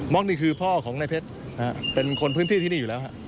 นี่คือพ่อของในเพชรเป็นคนพื้นที่ที่นี่อยู่แล้วฮะ